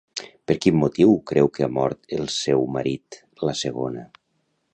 Per quin motiu creu que ha mort el seu marit, la segona?